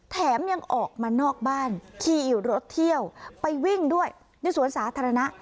แถมยังออกมานอกบ้านขี่รถเที่ยวไปวิ่งด้วยในสวนสาธารณะ